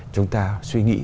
chúng ta suy nghĩ